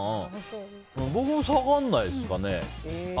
僕も下がらないですね。